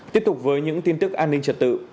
tiếp tục với những tin tức an ninh trật tự